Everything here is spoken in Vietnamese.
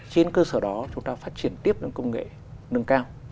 trên cơ sở đó chúng ta phát triển tiếp những công nghệ nâng cao